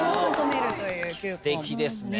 すてきですね。